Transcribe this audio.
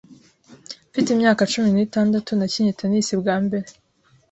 Mfite imyaka cumi n'itandatu, nakinnye tennis bwa mbere.